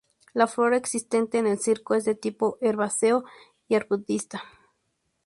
La flora existente en el circo es de tipo herbáceo y arbustiva.